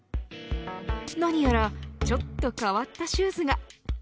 何やらちょっと変わったシューズが。